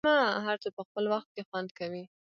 هر څه په خپل وخت کې خوند کوي.